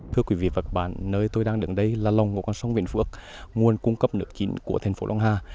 thưa quý vị và các bạn nơi tôi đang đứng đây là lồng của con sông vĩnh phước nguồn cung cấp nước chín của thành phố đông hà